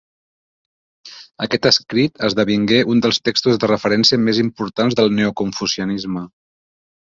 Aquest escrit esdevingué un dels textos de referència més importants del neoconfucianisme.